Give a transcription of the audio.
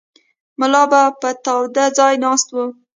ملا به په تاوده ځای ناست و.